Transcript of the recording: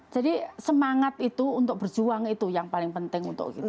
semangat itu untuk berjuang itu yang paling penting untuk kita